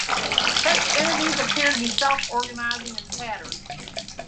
Such entities appear to be self-organizing in patterns.